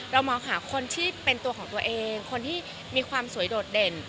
มองหาคนที่เป็นตัวของตัวเองคนที่มีความสวยโดดเด่น